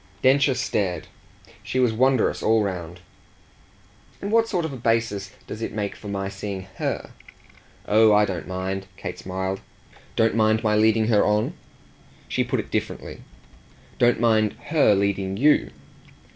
Densher stared she was wondrous all round. "And what sort of a basis does it make for my seeing HER?" "Oh I don't mind!" Kate smiled. "Don't mind my leading her on?" She put it differently. "Don't mind her leading YOU."